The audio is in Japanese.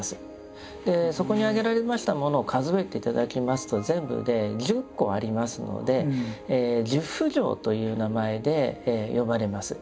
そこに挙げられましたものを数えて頂きますと全部で１０個ありますので「十不浄」という名前で呼ばれます。